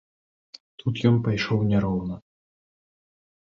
Тут ён пайшоў няроўна.